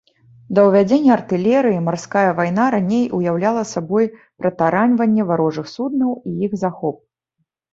Да ўвядзення артылерыі марская вайна раней уяўляла сабой пратараньванне варожых суднаў і іх захоп.